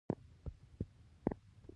جملو هم مقدار زیات کړ هم کیفیت.